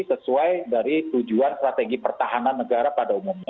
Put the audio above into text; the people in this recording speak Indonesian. sesuai dari tujuan strategi pertahanan negara pada umumnya